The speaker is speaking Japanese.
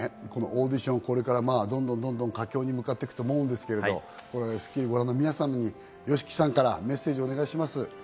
オーディション、これからどんどん佳境に向かっていくと思うんですけど、『スッキリ』をご覧の皆様にＹＯＳＨＩＫＩさんからメッセージをお願いします。